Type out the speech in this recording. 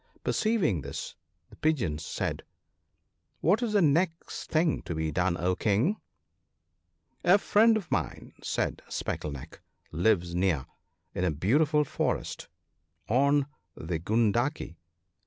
Perceiving this, the Pigeons said, ' What is the next thing to be done, O King ?'* A friend of mine/ said Speckle neck, ' lives near, in a beautiful forest on the Gundaki.